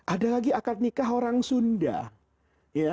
ada lagi akad nikah orang sunda